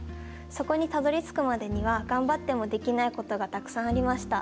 そこにたどりつくまでには、頑張ってもできないことがたくさんありました。